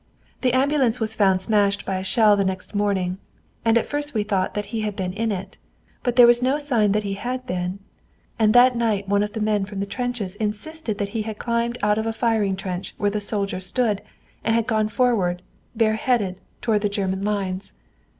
The ambulance was found smashed by a shell the next morning, and at first we thought that he had been in it. But there was no sign that he had been, and that night one of the men from the trenches insisted that he had climbed out of a firing trench where the soldier stood, and had gone forward, bareheaded, toward the German lines.